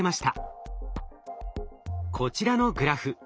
こちらのグラフ。